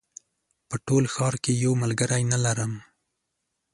په ټول ښار کې یو ملګری نه لرم